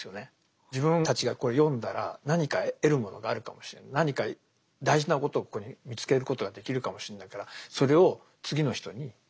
自分たちが読んだら何か得るものがあるかもしれない何か大事なことをここに見つけることができるかもしれないからそれを次の人に。